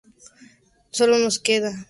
Sólo nos queda confiar en la palabra de Frey.